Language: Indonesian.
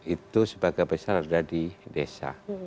itu sebagian besar ada di desa